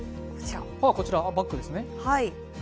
こちらバッグですね。